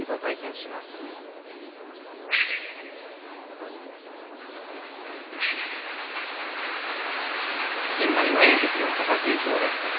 しんがりは大関の貴景勝です。